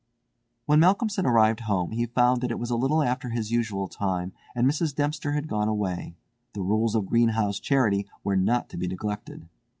When Malcolmson arrived home he found that it was a little after his usual time, and Mrs. Dempster had gone away—the rules of Greenhow's Charity were not to be neglected.